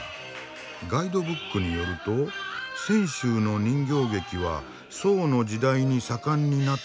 ガイドブックによると泉州の人形劇は宋の時代に盛んになった伝統芸能。